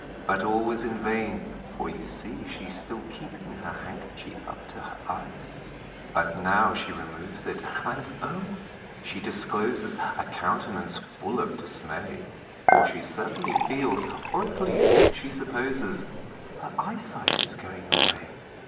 But all was in vain; for you see she's still keeping Her handkerchief up to her eyes. But now she removes it, and oh! she discloses A countenance full of dismay; For she certainly feels, or at least she supposes Her eyesight is going away.